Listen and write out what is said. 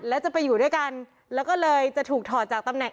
แล้วจะไปอยู่ด้วยกันแล้วก็เลยจะถูกถอดจากตำแหน